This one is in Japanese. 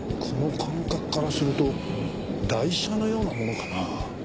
この間隔からすると台車のようなものかな。